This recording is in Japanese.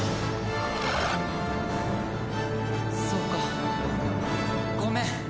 そうかごめん。